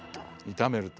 炒めると。